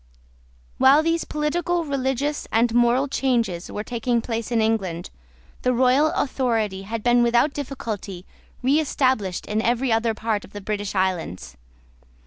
While these political, religious, and moral changes were taking place in England, the Royal authority had been without difficulty reestablished in every other part of the British islands.